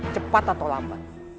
cepat atau lambat